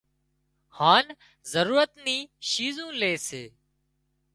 هانَ ضرورت نِي شِيزون لي سي